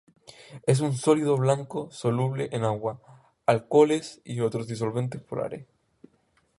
Es un sólido blanco soluble en agua, alcoholes, y otros disolventes polares.